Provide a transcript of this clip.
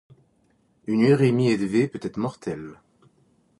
Une urémie élevée peut être mortelle.